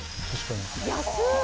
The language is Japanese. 安い！